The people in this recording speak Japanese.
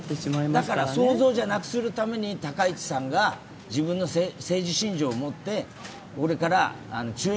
だから想像じゃなくするために、高市さんが自分の政治信条を持ってこれから注意